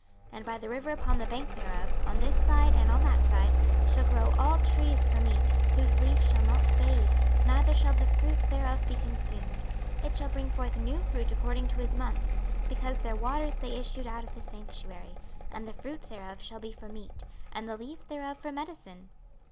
26:047:012 And by the river upon the bank thereof, on this side and on that side, shall grow all trees for meat, whose leaf shall not fade, neither shall the fruit thereof be consumed: it shall bring forth new fruit according to his months, because their waters they issued out of the sanctuary: and the fruit thereof shall be for meat, and the leaf thereof for medicine.